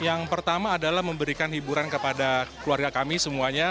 yang pertama adalah memberikan hiburan kepada keluarga kami semuanya